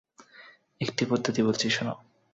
একটি পদ্ধতি বলছি শোন।